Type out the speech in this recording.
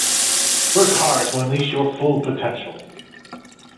Work hard to unleash your full potential.